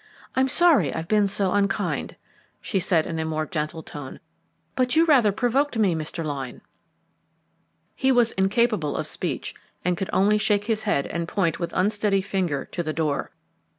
"I'm sorry I've been so unkind," she said in a more gentle tone. "But you rather provoked me, Mr. Lyne." He was incapable of speech and could only shake his head and point with unsteady finger to the door.